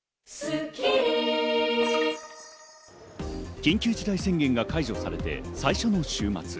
緊急事態宣言が解除されて最初の週末。